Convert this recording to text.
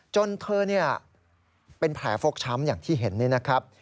จนเธอเป็นแผลฟกช้ำอย่างที่เห็นนี่นะครับ